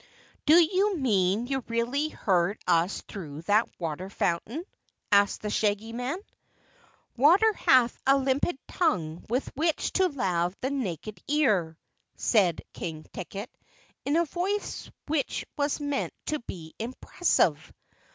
"Do you mean you really heard us through that water fountain?" asked the Shaggy Man. "Water hath a limpid tongue with which to lave the naked ear," said King Ticket in a voice which was meant to be impressive.